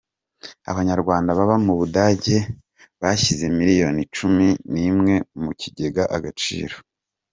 Abanyarwanda baba mu Budage bashyize miliyoni cumi nimwe mu kigega Agaciro